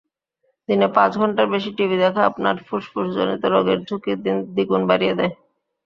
দিনে পাঁচ ঘণ্টার বেশি টিভি দেখা আপনার ফুসফুসজনিত রোগের ঝুঁকি দ্বিগুণ বাড়িয়ে দেয়।